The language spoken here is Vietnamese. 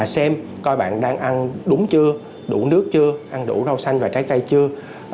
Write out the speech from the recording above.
xem coi bạn đang ăn đúng chưa đủ nước chưa ăn đủ rau xanh và trái cây chưa